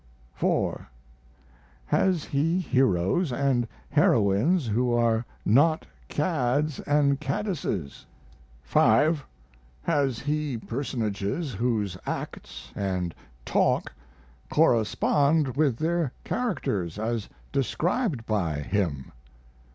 4. Has he heroes & heroines who are not cads and cadesses? 5. Has he personages whose acts & talk correspond with their characters as described by him?